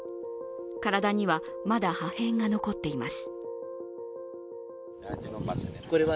体にはまだ破片が残っています。